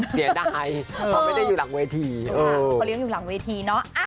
ใช่